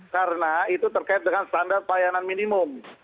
karena itu terkait dengan standar pelayanan minimum